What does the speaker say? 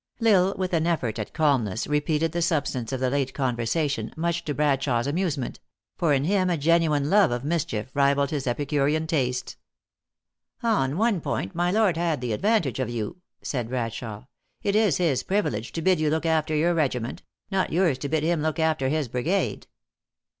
L Isle, with an effort at calmness, repeated the sub stance of the late conversation, much to Bradshawe s amusement; for in him a genuine love of mischief rivaled his epicurean tastes. " On one point, my lord had the advantage of you," said Bradshawe. " It is his privilege to bid you look after ypur regiment ; not yours to bid him look after his brigade." 334 THE ACTRESS IN HIGH LIFE.